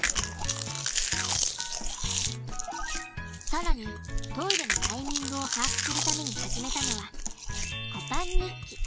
更にトイレのタイミングを把握するために始めたのはこぱん日記。